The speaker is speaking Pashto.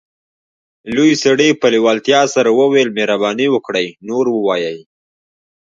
لوی سړي په لیوالتیا سره وویل مهرباني وکړئ نور ووایئ